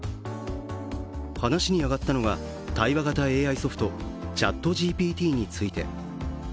話に上がったのは対話型ＡＩソフト・ＣｈａｔＧＰＴについて。